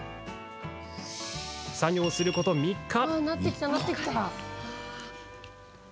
作業すること３日。